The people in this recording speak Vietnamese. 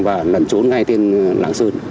và nằn trốn ngay trên làng sơn